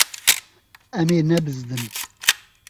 Em ê nebizdin.